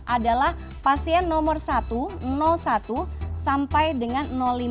adalah pasien nomor satu satu sampai dengan lima